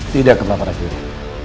tidak kepala para judi